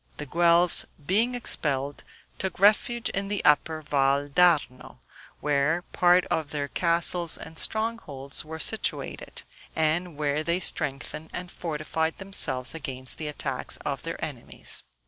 The Guelphs being expelled, took refuge in the Upper Val d'Arno, where part of their castles and strongholds were situated, and where they strengthened and fortified themselves against the attacks of their enemies.